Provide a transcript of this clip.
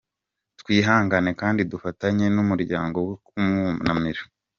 Twihangane kandi dufatanye n’umuryango we kumwunamira.